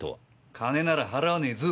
金なら払わねえぞ。